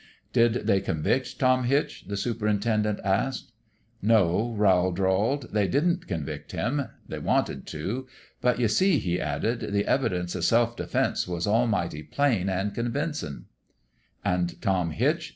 " Did they convict Tom Hitch ?" the superin tendent asked. " No," Rowl drawled ;" they didn't convict him. They wanted to ; but you see," he added, " the evidence o' self defense was almighty plain an' convincin'." "And Tom Hitch